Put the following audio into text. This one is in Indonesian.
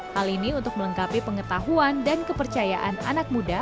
hal ini untuk melengkapi pengetahuan dan kepercayaan anak muda